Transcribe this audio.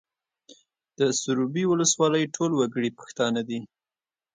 د سروبي ولسوالۍ ټول وګړي پښتانه دي